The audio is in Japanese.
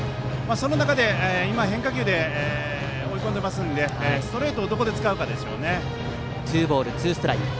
その中で今、変化球で追い込んでいますのでストレートをどこで使うかでしょうね。